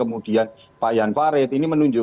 kemudian pak jan farid ini menurut